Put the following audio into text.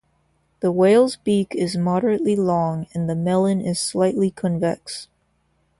The whale's beak is moderately long, and the melon is slightly convex.